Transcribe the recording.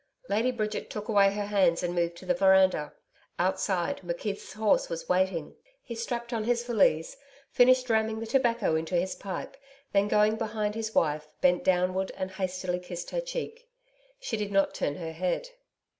Lady Bridget took away her hands and moved to the veranda. Outside, McKeith's horse was waiting. He strapped on his valise, finished ramming the tobacco into his pipe, then going behind his wife, bent downward and hastily kissed her cheek. She did not turn her head.